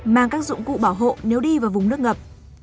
mang các dụng cụ bảo hộ nếu đi vào vùng nước ngập